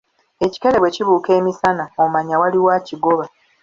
"Ekikere bwe kibuuka emisana, omanya waliwo akigoba."